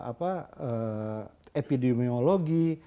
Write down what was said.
di dalam ilmu epidemiologi